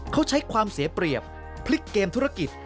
เขาใช้ความเสียเปรียบพลิกเกมธุรกิจ